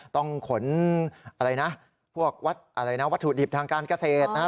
ต้องขนพวกวัตถุดิบทางการเกษตรนะครับ